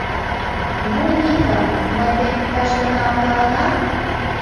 Ну, Никон, мый тыйым иктаж гана ондаленам?